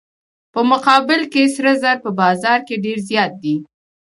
په مقابل کې سره زر په بازار کې ډیر زیات دي.